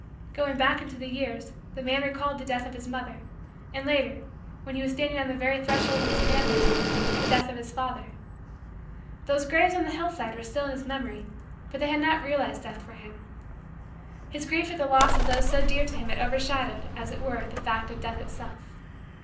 Going back into the years, the man recalled the death of his mother; and, later, when he was standing on the very threshold of his manhood, the death of his father. Those graves on the hillside were still in his memory but they had not realized Death for him. His grief at the loss of those so dear to him had overshadowed, as it were, the fact of Death itself.